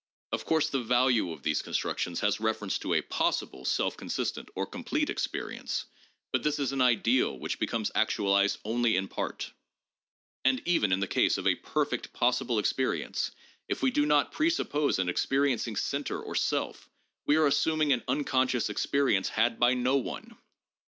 Of course the value of these constructions has reference to a 'possible' self consistent or complete experience, but this is an ideal which be comes actualized only in part. And even in the case of a perfect ' possible ' experience, if we do not presuppose an experiencing center or self, we are assuming an unconscious experience had by no one.